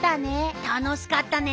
たのしかったね。